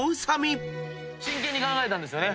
真剣に考えたんですよね。